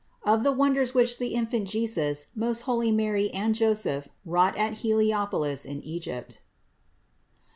OF THE WONDERS WHICH THE INFANT JESUS, MOST HOLY MARY AND JOSEPH WROUGHT AT HEUOPOUS IN EGYPT.